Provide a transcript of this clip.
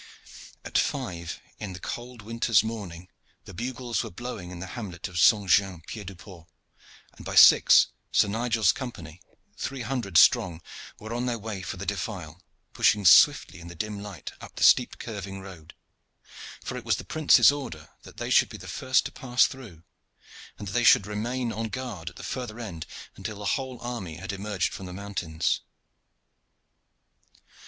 At five in the cold winter's morning the bugles were blowing in the hamlet of St. Jean Pied du Port, and by six Sir Nigel's Company, three hundred strong, were on their way for the defile, pushing swiftly in the dim light up the steep curving road; for it was the prince's order that they should be the first to pass through, and that they should remain on guard at the further end until the whole army had emerged from the mountains.